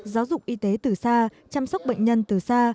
giáo dục y tế từ xa chăm sóc bệnh nhân từ xa